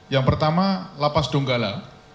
yang pertama lapas donggala